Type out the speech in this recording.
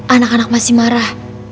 anak anak masih marah